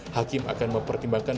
hakim akan mempertimbangkan